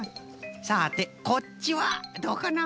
さてこっちはどうかな？